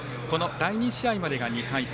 第２試合までが２回戦。